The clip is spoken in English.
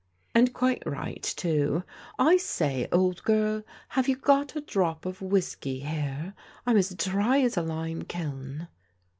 "And quite right, too. I say, old girl, have you got a drop of whiskey here? I'm as dry as a lime kiln."